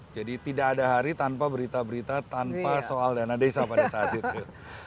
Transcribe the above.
jadi tidak ada hari tanpa berita berita tanpa soal dana desa pada saat itu